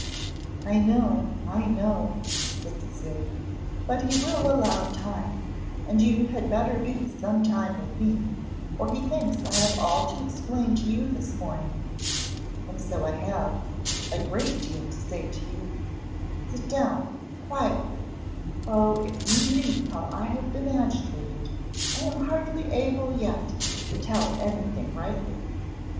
"I know, I know," said Cecilia, "but he will allow time, and you had better be some time with me, for he thinks I have all to explain to you this morning and so I have, a great deal to say to you; sit down quietly Oh if you knew how I have been agitated, I am hardly able yet tell anything rightly."